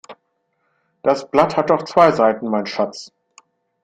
Das Blatt hat doch zwei Seiten mein Schatz.